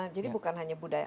jadi bukan hanya budaya